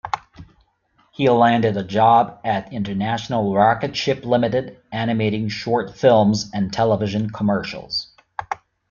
He landed a job at International Rocketship Limited, animating short films and television commercials.